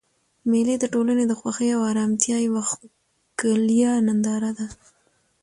مېلې د ټولنې د خوښۍ او ارامتیا یوه ښکلیه ننداره ده.